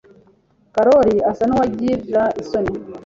Karoli asa nuwagira isoni.